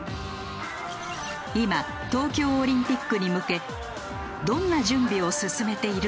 今東京オリンピックに向けどんな準備を進めているのか？